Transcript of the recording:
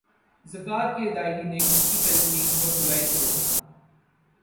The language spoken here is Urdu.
زکوۃ کی ادئیگی نیکی کی تلقین اور برائی سے روکنا